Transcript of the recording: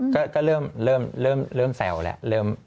ก็เริ่มแซวแหละ